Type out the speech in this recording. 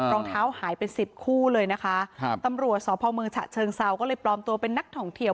รองเท้าหายเป็นสิบคู่เลยนะคะครับตำรวจสพเมืองฉะเชิงเซาก็เลยปลอมตัวเป็นนักท่องเที่ยว